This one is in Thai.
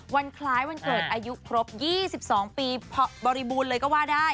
วันคล้ายวันเกิดอายุครบยี่สิบสองปีพอบริบูรณ์เลยก็ว่าได้